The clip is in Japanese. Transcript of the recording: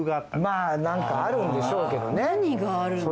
まあなんかあるんでしょうけどね。